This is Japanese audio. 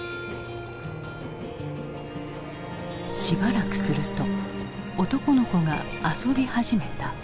しばらくすると男の子が遊び始めた。